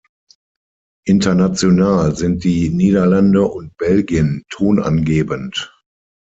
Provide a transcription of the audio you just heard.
International sind die Niederlande und Belgien tonangebend.